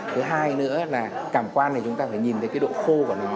thứ hai nữa là cảm quan thì chúng ta phải nhìn thấy cái độ khô của nó